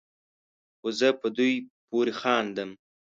خو زه په دوی پورې خاندم